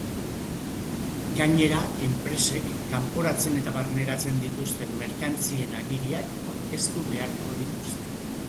Gainera enpresek kanporatzen eta barneratzen dituzten merkantzien agiriak aurkeztu beharko dituzte.